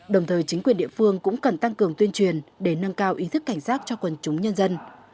đồng thời chính quyền địa phương cũng cần tăng cường tuyên truyền để nâng cao ý thức cảnh giác cho quần chúng nhân dân